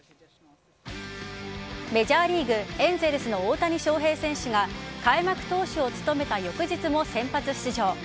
メジャーリーグエンゼルスの大谷翔平選手が開幕投手を務めた翌日も先発出場。